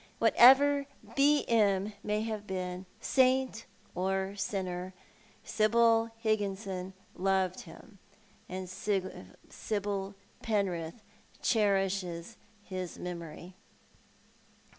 ■Whatever "B. M." may have been— saint or sinner— Sibyl Higginson loved him, and Sibyl Penrith cherishes his memory.